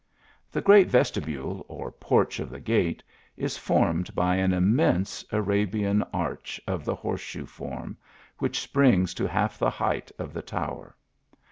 " The great vestibule, or porch of the gate, is formed Dy an immense Arabian arch of the horseshoe form, vhich springs to half the height of the tower.